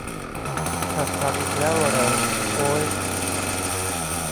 ผัดผักอีกแล้วเหรอ โอ๊ย